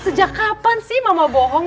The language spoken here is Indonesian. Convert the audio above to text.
sejak kapan sih mama bohong